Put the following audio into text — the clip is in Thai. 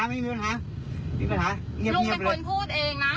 ลุงเป็นคนพูดเองนะ